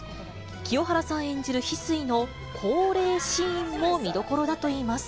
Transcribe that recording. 清原さん演じる翡翠の降霊シーンも見どころだといいます。